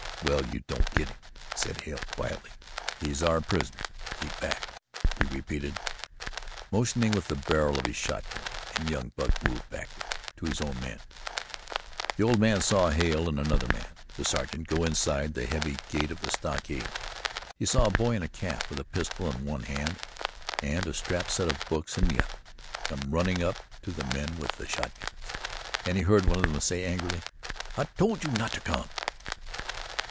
"Well, you don't get him," said Hale quietly. "He's our prisoner. Keep back!" he repeated, motioning with the barrel of his shotgun and young Buck moved backward to his own men, The old man saw Hale and another man the sergeant go inside the heavy gate of the stockade. He saw a boy in a cap, with a pistol in one hand and a strapped set of books in the other, come running up to the men with the shotguns and he heard one of them say angrily: "I told you not to come."